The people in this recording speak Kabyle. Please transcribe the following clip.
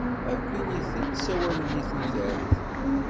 Akk initen ssawalen i tudert.